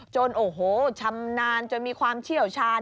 โอ้โหชำนาญจนมีความเชี่ยวชาญ